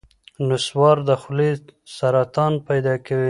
نسوار د خولې سرطان پیدا کوي.